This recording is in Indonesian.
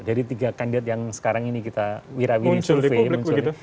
dari tiga kandidat yang sekarang ini kita wira wiin survei